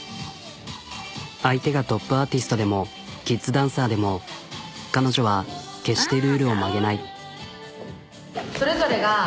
相手がトップアーティストでもキッズダンサーでも彼女は決してルールを曲げない。